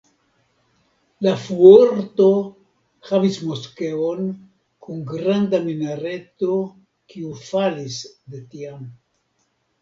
La Fuorto havis moskeon kun granda minareto kiu falis de tiam.